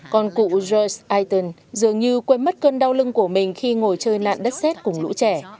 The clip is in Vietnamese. còn cụ joh aiton dường như quên mất cơn đau lưng của mình khi ngồi chơi nạn đất xét cùng lũ trẻ